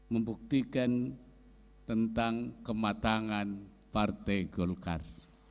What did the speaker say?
membuktikan tentang kematangan partai golkar